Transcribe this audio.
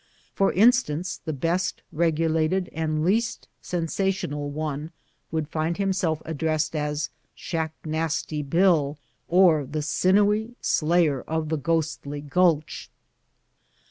For in stance, the best regulated and least sensational one would find himself addressed as "Sbacknasty Bill, or the Sinewy Slayer of the Ghostly Gulch."